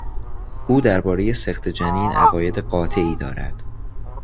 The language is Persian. او دربارهی سقط جنین عقاید قاطعی دارد.